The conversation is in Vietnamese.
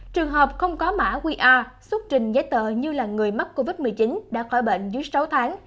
trường hợp không có mã qr xuất trình giấy tờ như là người mắc covid một mươi chín đã khỏi bệnh dưới sáu tháng